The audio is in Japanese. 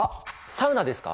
サウナですか？